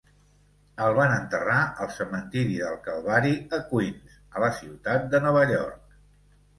El van enterrar al cementiri del Calvari a Queens, a la ciutat de Nova York.